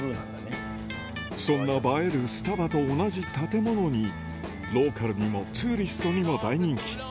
そんな映えるスタバと同じ建物に、ローカルにもツーリストにも大人気。